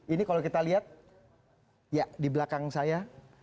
ini kalau kita lihat ya di belakang saya